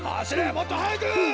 もっとはやく！